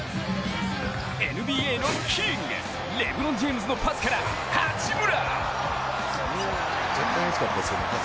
ＮＢＡのキングレブロン・ジェームズのパスから八村！